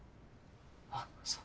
あっそう。